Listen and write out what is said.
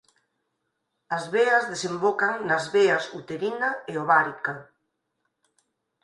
As veas desembocan nas veas uterina e ovárica.